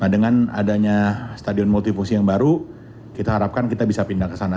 dengan adanya stadion multifungsi yang baru kita harapkan kita bisa pindah ke sana